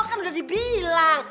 kan udah dibilang